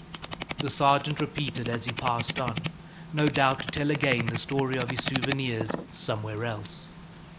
the sergeant repeated as he passed on, no doubt to tell again the story of his souvenirs somewhere else.